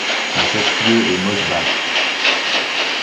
Son chef-lieu est Mosbach.